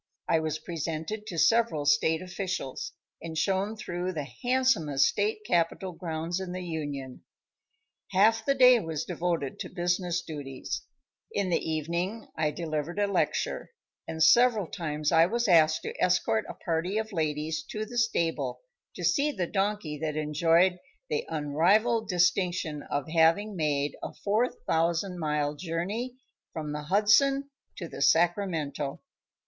I was presented to several state officials, and shown through the handsomest state capitol grounds in the Union. Half the day was devoted to business duties; in the evening I delivered a lecture; and several times I was asked to escort a party of ladies to the stable to see the donkey that enjoyed the unrivaled distinction of having made a 4,000 mile journey from the Hudson to the Sacramento.